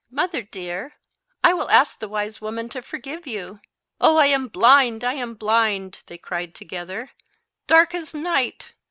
mother dear! I will ask the wise woman to forgive you." "Oh, I am blind! I am blind!" they cried together. "Dark as night!